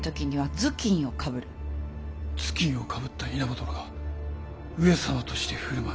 頭巾をかぶった稲葉殿が上様として振る舞う。